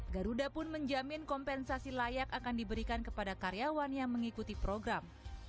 garuda pun menjamin kompensasi layak akan diberikan kepada karyawan yang mengikuti program